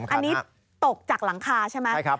อันนี้ตกจากหลังคาใช่ไหม